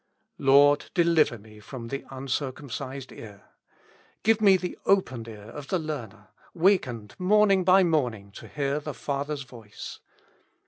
Lord ! deliver me from the uncircumcised ear. Give me the opened ear of the learner, wakened morning by morning to hear the Father's voice.